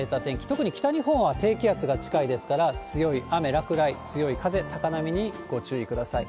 特に北日本は低気圧が近いですから、強い雨、落雷、強い風、高波にご注意ください。